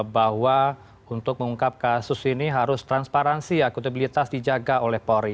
bahwa untuk mengungkap kasus ini harus transparansi ya kutabilitas dijaga oleh polri